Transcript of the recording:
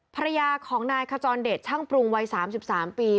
ภรรยาของนายขจรเดชช่างปรุงวัย๓๓ปี